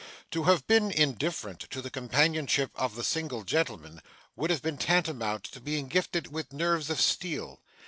To have been indifferent to the companionship of the single gentleman would have been tantamount to being gifted with nerves of steel.